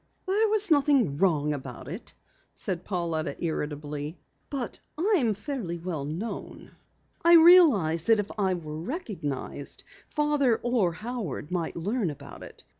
"There was nothing wrong about it," Pauletta said irritably. "But I'm fairly well known. I realized that if I were recognized, Father or Howard might learn about it.